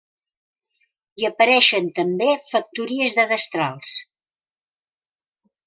Hi apareixen també factories de destrals.